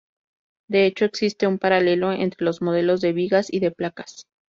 De hecho existe un paralelo entre los modelos de vigas y de placas.